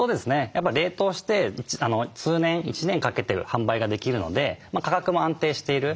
やっぱり冷凍して通年１年かけて販売ができるので価格も安定している。